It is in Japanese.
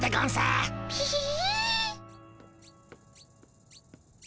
ピィ。